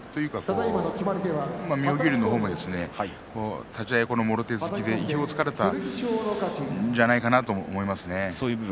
妙義龍の方が立ち合いもろ手突きで意表を突かれたんじゃないかと思いますね。